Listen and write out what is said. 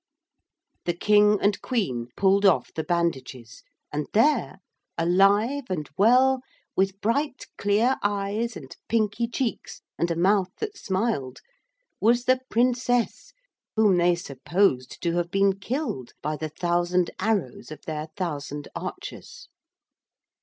The King and Queen pulled off the bandages, and there, alive and well, with bright clear eyes and pinky cheeks and a mouth that smiled, was the Princess whom they supposed to have been killed by the thousand arrows of their thousand archers.